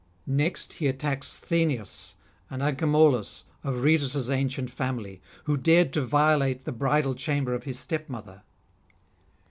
Next he attacks Sthenius, and Anchemolus of Rhoetus' ancient family, who dared to violate the bridal chamber of his stepmother.